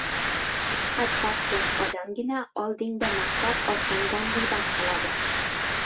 Faqat pastkash odamgina oldingda maqtab, orqangda g‘iybat qiladi.